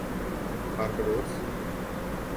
Barbados